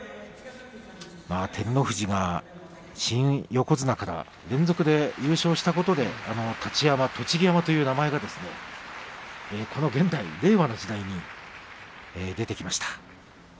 照ノ富士が新横綱から連続で優勝したことで太刀山、栃木山という名前がこの現代、令和の時代に出てきました。